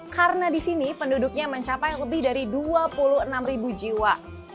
karena di sini penduduknya mencapai lebih dari dua puluh enam jiwa